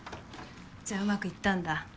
じゃあ上手くいったんだ？